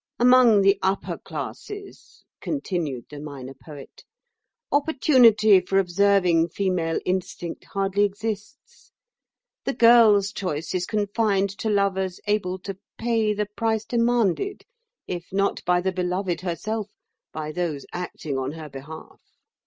"Among the Upper Classes," continued the Minor Poet, "opportunity for observing female instinct hardly exists. The girl's choice is confined to lovers able to pay the price demanded, if not by the beloved herself, by those acting on her behalf.